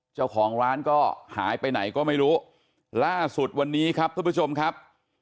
เจ้าของร้านก็หายไปไหนก็ไม่รู้ล่าสุดวันนี้ครับทุกผู้ชมครับ